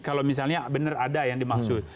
kalau misalnya benar ada yang dimaksud